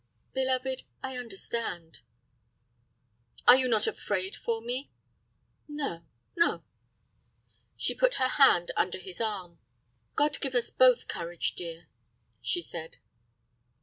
"Beloved, I understand." "Are you not afraid for me?" "No, no." She put her hand under his arm. "God give us both courage, dear," she said.